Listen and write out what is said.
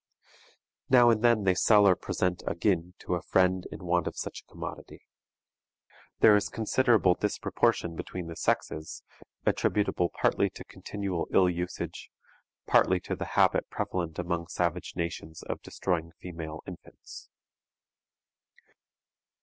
Now and then they sell or present a "gin" to a friend in want of such a commodity. There is considerable disproportion between the sexes, attributable partly to continual ill usage, partly to the habit prevalent among savage nations of destroying female infants.